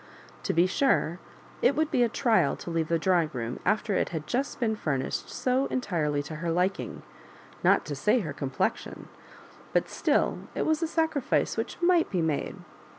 To be sure, it would be a trial to leave the drawing room after it had just been furnished so entirely to her liking — not to say to her complexion; but still it was a sac rifioe which might be made.